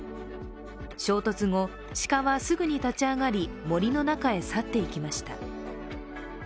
衝突後、鹿はすぐに立ち上がり、森の中へ去っていきました。